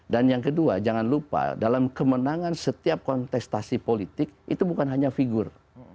dan yang kedua jangan lupa dalam kemenangan setiap kontestasi politik itu bukan hanya figur